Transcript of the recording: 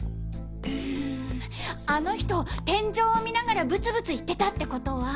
うんあの人天井を見ながらブツブツ言ってたってことは。